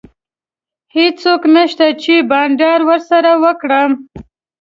هیڅوک نشته چي بانډار ورسره وکړم.